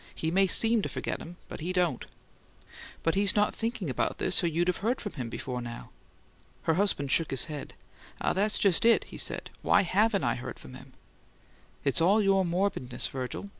"He may seem to forget 'em, but he don't." "But he's not thinking about this, or you'd have heard from him before now." Her husband shook his head. "Ah, that's just it!" he said. "Why HAVEN'T I heard from him?" "It's all your morbidness, Virgil.